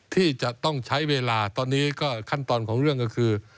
ที่จะต้องใช้เวลาตอนนี้ก็ขั้นตอนของเรื่องก็คือ